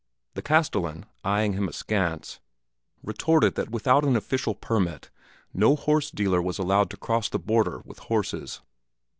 The castellan, eying him askance, retorted that without an official permit no horse dealer was allowed to cross the border with horses.